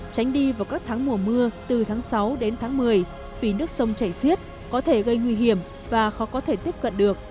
tránh đi vào các tháng mùa mưa từ tháng sáu đến tháng một mươi vì nước sông chảy xiết có thể gây nguy hiểm và khó có thể tiếp cận được